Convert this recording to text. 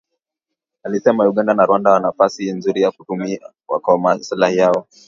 alisema Uganda na Rwanda wana nafasi nzuri ya kutumia kwa maslahi yao